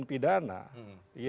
itu kan jadinya perbuatan pidana